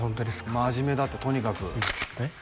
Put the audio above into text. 真面目だってとにかくえっ？